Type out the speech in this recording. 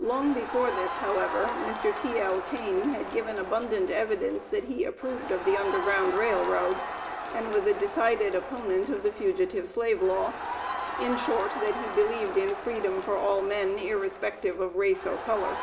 Long before this, however, Mr. T.L. Kane had given abundant evidence that he approved of the Underground Rail Road, and was a decided opponent of the Fugitive Slave Law; in short, that he believed in freedom for all men, irrespective of race or color.